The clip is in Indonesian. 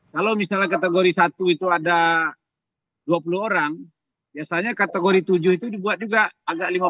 kalau misalnya kategori satu itu ada dua puluh orang biasanya kategori tujuh itu dibuat juga agak lima puluh